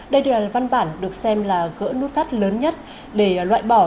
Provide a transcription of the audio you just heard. đây là văn bản được xem là gỡ nút thắt lớn nhất để loại bỏ